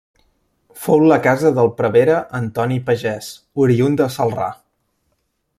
Fou la casa del prevere Antoni Pagès, oriünd de Celrà.